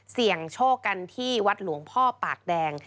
เสี่ยงโชคกันที่วัดหลวงพ่อปากแดง